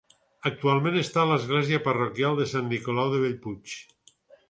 Actualment està a l'església parroquial de Sant Nicolau de Bellpuig.